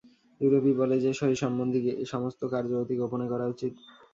ইউরোপী বলে যে, শরীর-সম্বন্ধী সমস্ত কার্য অতি গোপনে করা উচিত।